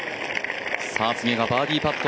次がバーディーパット。